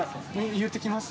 簑言ってきます。